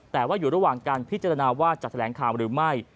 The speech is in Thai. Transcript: แต่ว่าอยู่ระหว่างการพิจารณาว่าจะแถลงข่าวหรือไม่